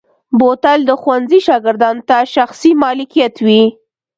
بوتل د ښوونځي شاګردانو ته شخصي ملکیت وي.